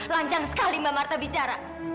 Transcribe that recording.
lancar sekali mbak marta bicara